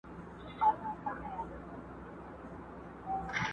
نه ورکيږي هيڅکله